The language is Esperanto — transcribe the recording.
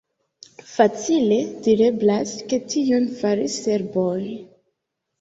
Facile direblas, ke tion faris serboj.